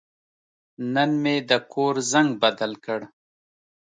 نن مې د کور زنګ بدل کړ.